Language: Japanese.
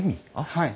はい。